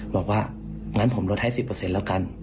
บอกว่างั้นผมลดให้๑๐แล้วกัน